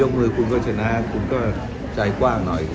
มือคุณก็ชนะคุณก็ใจกว้างหน่อย